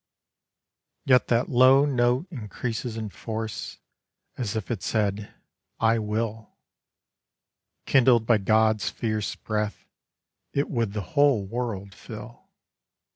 Yet that low note Increases in force as if it said, "I will": Kindled by God's fierce breath, it would the whole world fill.